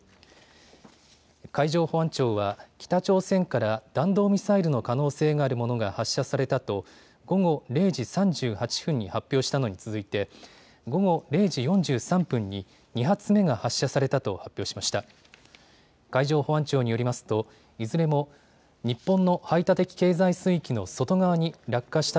海上保安庁は北朝鮮から弾道ミサイルの可能性があるものが発射されたと午後０時３８分に発表したのに続いて午後０時４３分に２発目が発射されたと発表しました。